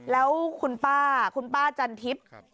แล้วคุณป้าคุณป้าจันทิพย์